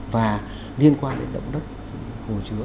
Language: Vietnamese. và liên quan đến động đất hồ chứa